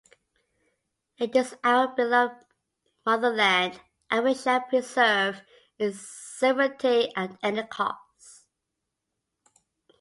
It is our beloved motherland and we shall preserve its sovereignty at any cost.